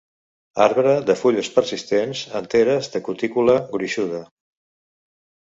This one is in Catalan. Arbre de fulles persistents enteres de cutícula gruixuda.